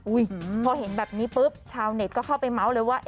พอเห็นแบบนี้ปุ๊บชาวเน็ตก็เข้าไปเมาส์เลยว่า